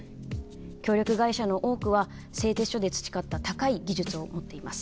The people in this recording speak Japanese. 協力会社の多くは製鉄所で培った高い技術を持っています。